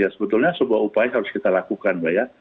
sebetulnya sebuah upaya harus kita lakukan mbak